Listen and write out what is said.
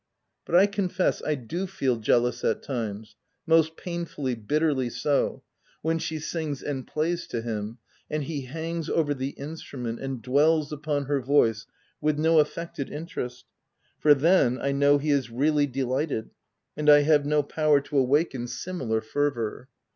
But I confess I do feel jealous at times — most painfully, bitterly so— when she sings and plays to him, and he hangs over the instrument and dwells upon her voice with no affected interest ; for then, I know he is really delighted, and I have no power to awaken 12S THE TENANT similar fervour.